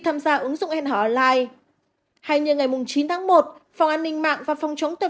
tham gia ứng dụng hẹn hò online hay như ngày chín tháng một phòng an ninh mạng và phòng chống tội